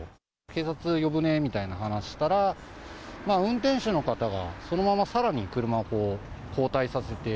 警察呼ぶねみたいな話したら、運転手の方が、そのままさらに車を後退させて。